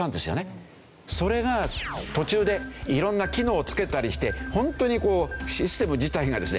それが途中でいろんな機能を付けたりして本当にシステム自体がですね